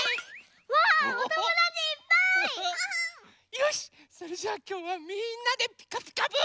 よしそれじゃあきょうはみんなで「ピカピカブ！」。